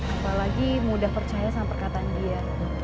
apalagi mudah percaya sama perkataan dia